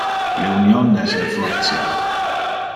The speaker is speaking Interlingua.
Le union es le fortia.